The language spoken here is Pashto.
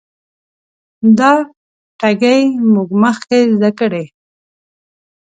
دا ټګي موږ مخکې زده کړې.